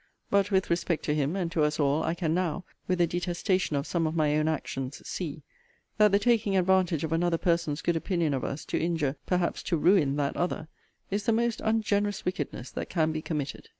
But, with respect to him, and to us all, I can now, with the detestation of some of my own actions, see, that the taking advantage of another person's good opinion of us to injure (perhaps to ruin) that other, is the most ungenerous wickedness that can be committed.